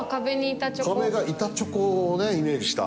壁が板チョコをねイメージした。